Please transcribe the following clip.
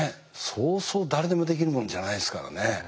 そうそう誰でもできるもんじゃないですからね。